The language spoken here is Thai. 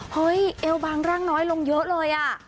เอวบางร่างน้อยลงเยอะเลยอ่ะ